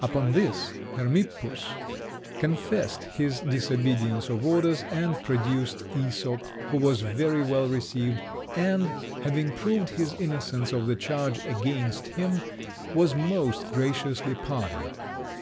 Upon this Hermippus confessed his disobedience of orders, and produced Æsop, who was very well received, and, having proved his innocence of the charge against him, was most graciously pardoned.